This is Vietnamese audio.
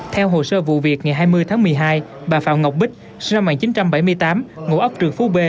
theo hồ sơ vụ việc ngày hai mươi tháng một mươi hai bà phạm ngọc bích sinh năm một nghìn chín trăm bảy mươi tám ngụ ấp trường phú b